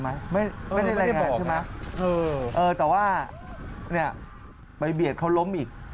ไม่ได้รายงานใช่ไหมแต่ว่าเนี่ยไปเบียดเขาล้มอีก